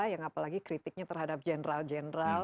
yang apalagi kritiknya terhadap general general